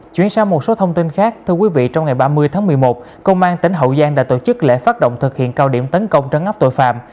chuyển sang một số thông tin khác thưa quý vị trong ngày ba mươi tháng một mươi một công an tỉnh hậu giang đã tổ chức lễ phát động thực hiện cao điểm tấn công trấn ngắp tội phạm